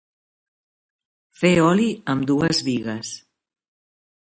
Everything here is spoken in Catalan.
Fer oli amb dues bigues.